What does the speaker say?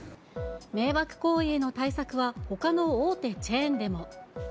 迷惑行為への対策は、ほかの大手チェーンでも。